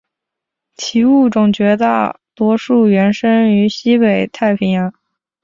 其物种绝大多数原生于西北太平洋。